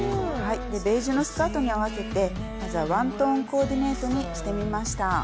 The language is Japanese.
でベージュのスカートに合わせてまずはワントーンコーディネートにしてみました。